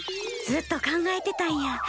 ずっと考えてたんや。